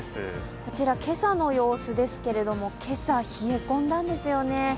こちら今朝の様子ですけれども、今朝、冷え込んだんですよね。